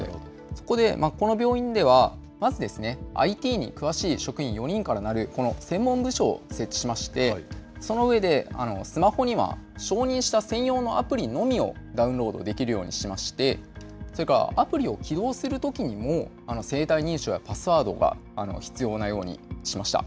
そこで、この病院ではまずＩＴに詳しい職員４人からなるこの専門部署を設置しまして、その上で、スマホには承認した専用のアプリのみをダウンロードできるようにしまして、それからアプリを起動するときにも、生体認証やパスワードが必要なようにしました。